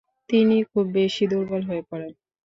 তিনি খুব বেশি দুর্বল হয়ে পড়েন।